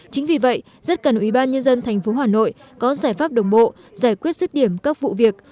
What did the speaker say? chính vì vậy rất cần ủy ban nhân dân thành phố hà nội có giải pháp đồng bộ giải quyết sức điểm các vụ việc